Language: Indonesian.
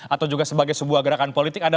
atau juga sebagai sebuah gerakan politik